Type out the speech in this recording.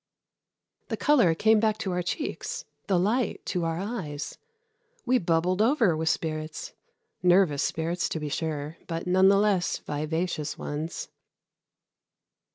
The color came back to our cheeks, the light to our eyes. We bubbled over with spirits nervous spirits, to be sure, but none the less vivacious ones.